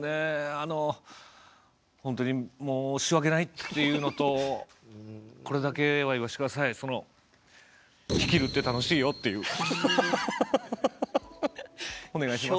あの本当に申し訳ないっていうのとこれだけは言わして下さいそのお願いします。